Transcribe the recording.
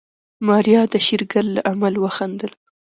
ماريا د شېرګل له عمل وخندل.